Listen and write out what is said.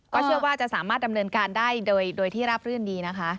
เชื่อว่าจะสามารถดำเนินการได้โดยที่ราบรื่นดีนะคะ